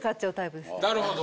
なるほど。